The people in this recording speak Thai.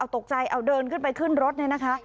ตกใจเอาเดินขึ้นไปขึ้นรถเนี่ยนะคะ